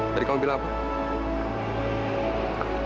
jadi kamu bilang apa